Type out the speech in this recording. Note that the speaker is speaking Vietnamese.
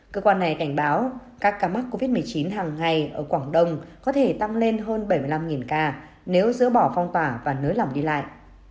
cơ quan này cảnh báo các ca mắc covid một mươi chín hàng ngày ở quảng đông có thể tăng lên hơn bảy mươi năm ca nếu dỡ bỏ phong tỏa và nới lỏng đi lại